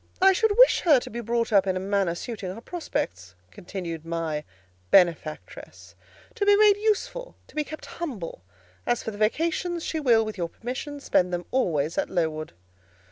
"I should wish her to be brought up in a manner suiting her prospects," continued my benefactress; "to be made useful, to be kept humble: as for the vacations, she will, with your permission, spend them always at Lowood."